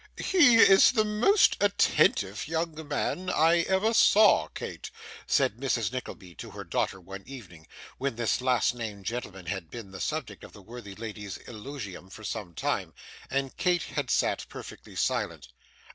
'He is the most attentive young man I ever saw, Kate,' said Mrs. Nickleby to her daughter one evening, when this last named gentleman had been the subject of the worthy lady's eulogium for some time, and Kate had sat perfectly silent.